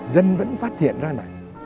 dân vẫn phát hiện ra này